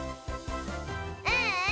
ううん！